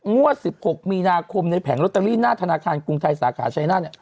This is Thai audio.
มุด๑๖มีนาคมในแผงรถตะลี่หน้าธนาคารกรุงไทยสาขาชัยน่า